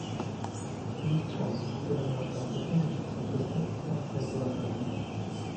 Jest rząd, który można potępić i postawić na cenzurowanym